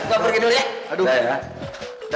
ya kita pergi dulu ya